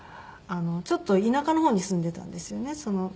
ちょっと田舎の方に住んでいたんですよね